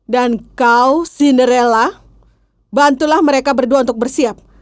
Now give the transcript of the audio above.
dan kau cinderella bantulah mereka berdua untuk bersiap